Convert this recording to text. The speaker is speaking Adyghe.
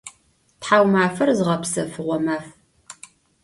Thaumafer zığepsefığo maf.